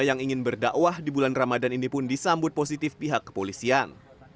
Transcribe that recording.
yang ingin berdakwah di bulan ramadan ini pun disambut positif pihak kepolisian